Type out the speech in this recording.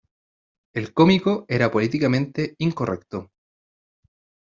El cómico era políticamente incorrecto.